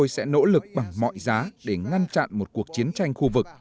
sẽ nỗ lực bằng mọi giá để ngăn chặn một cuộc chiến tranh khu vực